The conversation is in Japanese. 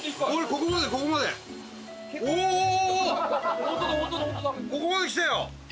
ここまで来たよ。